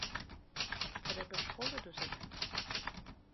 Трэба ж холаду задаць.